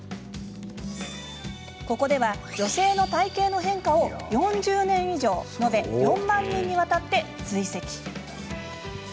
ここでは、女性の体型の変化を４０年以上延べ４万人にわたって追跡。